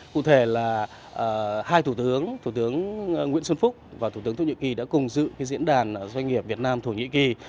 cụ thể là hai thủ tướng thủ tướng nguyễn xuân phúc và thủ tướng thổ nhĩ kỳ đã cùng dự diễn đàn doanh nghiệp việt nam thổ nhĩ kỳ